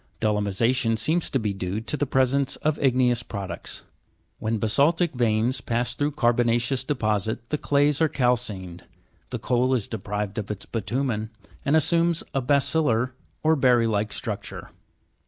Dolomi sa'tion seems to be due to the presence of igneous products. When basa'ltic veins pass through carbona'ceous deposits, the clays are calcined, the coal is deprived of its bitu'men, and assumes a baccil lar (berry like) structure.